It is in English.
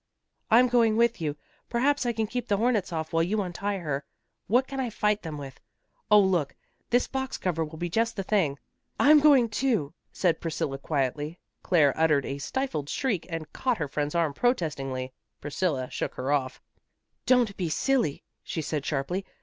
"I'm going with you. Perhaps I can keep the hornets off while you untie her. What can I fight them with? Oh, look! This box cover will be just the thing." "I'm going, too," said Priscilla quietly. Claire uttered a stifled shriek and caught her friend's arm protestingly. Priscilla shook her off. "Don't be silly," she said sharply.